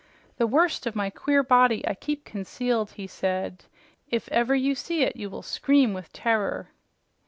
"The worst of my queer body I keep concealed," he said. "If ever you see it, you will scream with terror."